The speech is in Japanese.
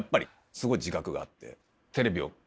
すごい自覚があって。